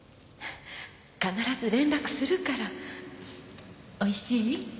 必ず連絡するから弥生：おいしい？